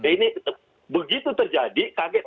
ini begitu terjadi kaget